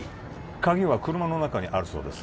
鍵は車の中にあるそうです